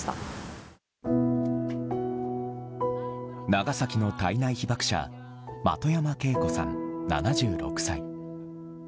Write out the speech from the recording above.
長崎の胎内被爆者的山ケイ子さん、７６歳。